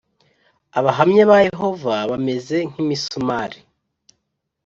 Abahamya ba Yehova bameze nk’imisumari